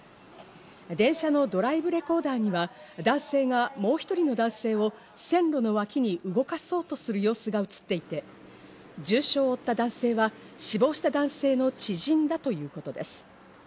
電車のドライブレコーダーには、男性がもう１人の男性を線路の脇に動かそうとする様子が映っていて、重傷を負った男性は死亡した男性の知人だということです。